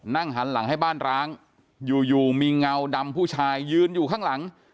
นั่งหันหลังให้บ้านร้างอยู่มีเงาดำผู้ชายยืนอยู่ข้างหลัง